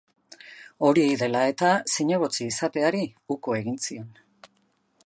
Hori dela eta zinegotzi izateari uko egin zion.